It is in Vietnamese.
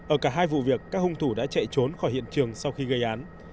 ở cả hai vụ việc các hung thủ đã chạy trốn khỏi hiện trường sau khi gây án